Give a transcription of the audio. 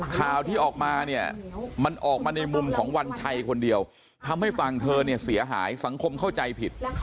ข่าวที่ออกมาเนี่ยมันออกมาในมุมของวันชัยคนเดียวทำให้ฝั่งเธอเนี่ยเสียหายสังคมเข้าใจผิด